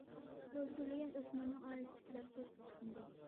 ئۆلتۈرۈلگەن ئۆسمۈرنىڭ ئائىلىسىدىكىلەر سوتقا چىقمىدى.